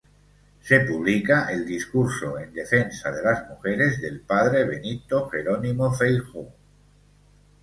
Se publica "El discurso en defensa de las mujeres", del padre Benito Jerónimo Feijoo.